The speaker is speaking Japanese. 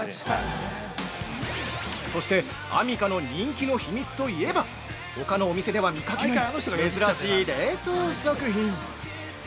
◆そしてアミカの人気の秘密といえば、ほかのお店では見かけない珍しい冷凍食品。